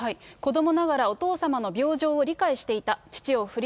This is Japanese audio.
子どもながらお父様の病状を理解していた。